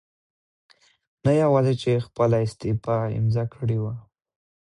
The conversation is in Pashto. نه یواځې چې خپله استعفاء امضا کړې وه